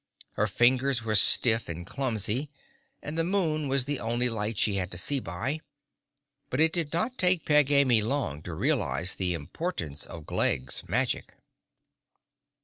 Her fingers were stiff and clumsy and the moon was the only light she had to see by, but it did not take Peg Amy long to realize the importance of Glegg's magic.